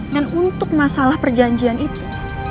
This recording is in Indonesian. dan untuk masalah perjanjian itu